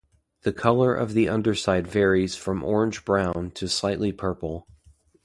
The color of the underside varies from orange brown to slightly purple.